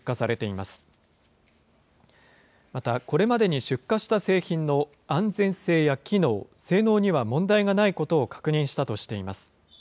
また、これまでに出荷した製品の安全性や機能、性能には問題がないことを確認したとしています。